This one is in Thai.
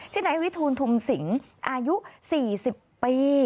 ชิ้นไหนวิทูลทุ่งสิงอายุ๔๐ปี